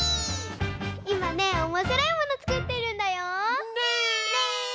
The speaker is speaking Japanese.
いまねおもしろいものつくってるんだよ。ね！